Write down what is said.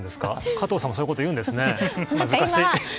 加藤さんもそういうこと言うんですね。